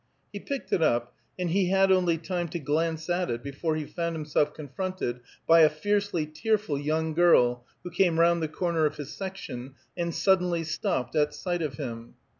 He picked it up, and he had only time to glance at it before he found himself confronted by a fiercely tearful young girl who came round the corner of his section, and suddenly stopped at sight of him.